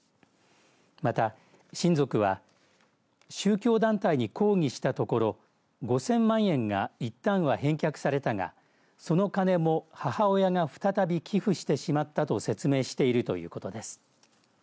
また、親族は宗教団体に抗議したところ５０００万円がいったんは返却されたがその金も母親が再び寄付してしまったと説明しているということです。